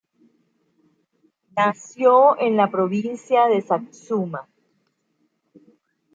Nació en la provincia de Satsuma.